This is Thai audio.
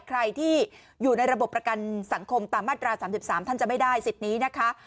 ใครที่อยู่ในระบบประกันสังคมตามมาตรา๓๓ท่านจะไม่ได้สิทธิ์นี้นะคะ